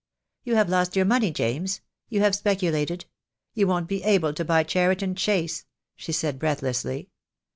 "You have lost your money, James — you have specu lated— you won't be able to buy Cheriton Chase," she said, breathlessly.